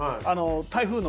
台風の。